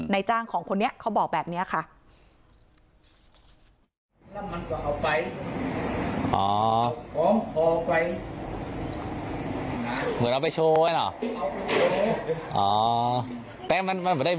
จ้างของคนนี้เขาบอกแบบนี้ค่ะ